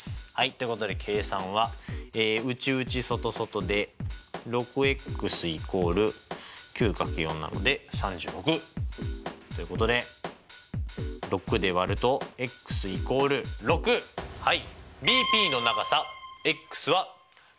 ということで計算は内内外外で６ｘ＝９×４なので３６！ということで６で割るとｘ＝６！はいＢＰの長さｘは６です！